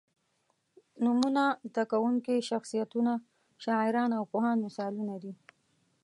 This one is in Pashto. نومونه، زده کوونکي، شخصیتونه، شاعران او پوهان مثالونه دي.